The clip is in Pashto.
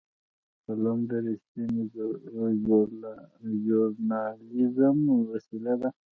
قلم د رښتینې ژورنالېزم وسیله ده